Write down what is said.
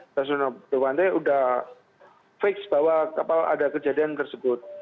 stasiun dewante sudah fix bahwa kapal ada kejadian tersebut